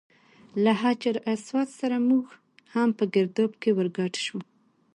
له حجر اسود سره موږ هم په ګرداب کې ور ګډ شو.